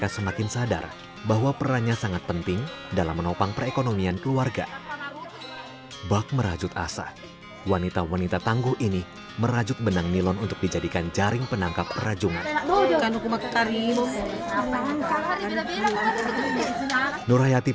semakin bertambah setelah para ibu mengolah rumput laut